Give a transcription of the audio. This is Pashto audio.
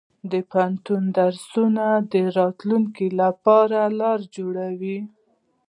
د پوهنتون درسونه د راتلونکي لپاره لار جوړوي.